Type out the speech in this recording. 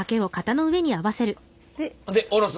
で下ろす？